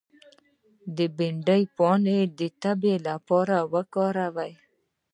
د بید پاڼې د تبې لپاره وکاروئ